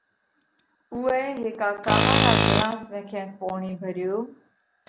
اُوئہ هيڪا ڪاوا را ڳِلاس ۾ ڪينڪ پوڻِي ڀريو۔